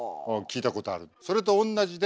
それと同じで。